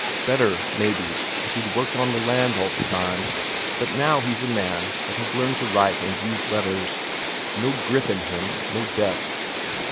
Better, maybe, if he'd worked on the land all the time, but now he's a man that has learned to write and use letters; no grip in him, no depth.